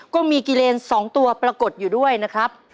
ก็มีกิเลน๒ตัวปรากฏอยู่ด้วยนะครับ